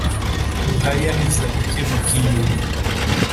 ruhaya iza gukebuka inyuma.